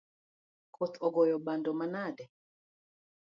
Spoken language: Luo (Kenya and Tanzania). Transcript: Koth ogoyo bando manade?